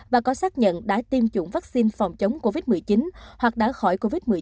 và có xác nhận đã tiêm chủng vaccine phòng chống covid một mươi chín hoặc đã khỏi covid một mươi chín